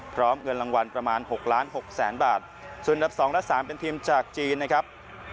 พร้อมเงินรางวัลประมาณ๖ล้านหกแสนบาทส่วนดับ๒และ๓เป็นทีมจากจีนนะครับ